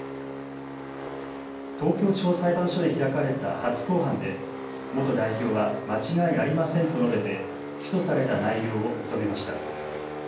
東京地方裁判所で開かれた初公判で元代表は間違いありませんと述べて起訴された内容を認めました。